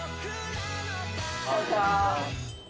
こんにちは。